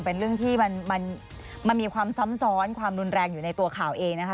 เป็นเรื่องที่มันมีความซ้ำซ้อนความรุนแรงอยู่ในตัวข่าวเองนะคะ